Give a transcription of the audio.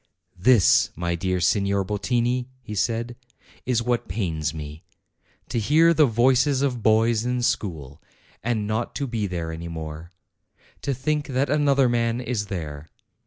"This, my dear Signor Bottini," he said, "is what pains me. To hear the voices of boys in school, and not to be there any more ; to think that another man is there.